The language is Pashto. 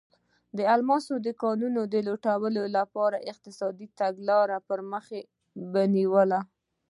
د الماسو کانونو لوټلو لپاره یې اقتصادي تګلاره پر مخ بیوله.